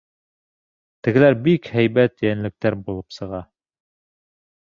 Тегеләр бик һәйбәт йәнлектәр булып сыға.